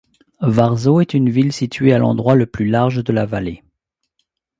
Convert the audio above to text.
Varzo est une ville située à l'endroit le plus large de la vallée.